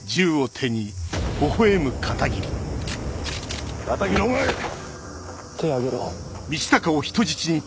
手上げろ。